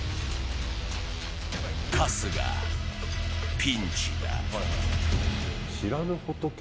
春日、ピンチだ。